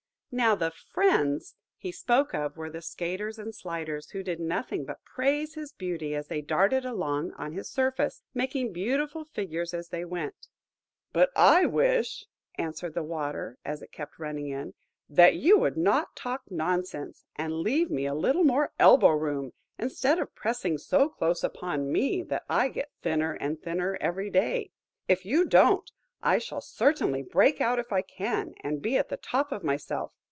Now the "friends" he spoke of were the skaters and sliders, who did nothing but praise his beauty as they darted along on his surface, making beautiful figures as they went. "But I wish," answered the Water, as it kept running in, "that you would not talk nonsense, but leave me a little more elbow room, instead of pressing so close upon me that I get thinner and thinner every day. If you don't, I shall certainly break out if I can, and be at the top myself.